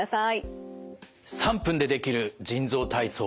３分でできる腎臓体操。